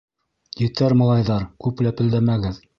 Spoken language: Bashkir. — Етәр, малайҙар, күп ләпелдәмәгеҙ!